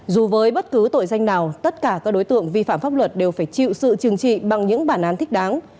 dù với bất cứ tội danh nào tất cả các đối tượng vi phạm pháp luật đều phải chịu sự trừng trị bằng những bản án thích đáng